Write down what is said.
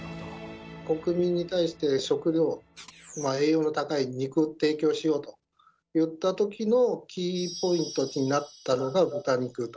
国民に対して食料栄養の高い肉を提供しようといった時のキーポイントになったのが豚肉と。